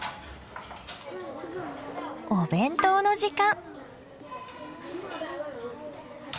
お弁当の時間。